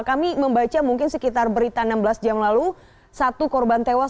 kami membaca mungkin sekitar berita enam belas jam lalu satu korban tewas